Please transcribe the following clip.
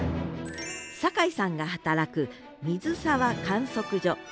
酒井さんが働く水沢観測所。